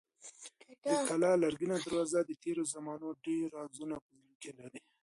د کلا لرګینه دروازه د تېرو زمانو ډېر رازونه په زړه کې لري.